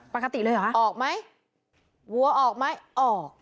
ปกติเลยเหรอคะออกไหมวัวออกไหมออก